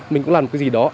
mình cũng làm một cái gì đó